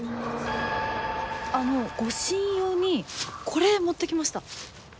あの護身用にこれ持ってきました。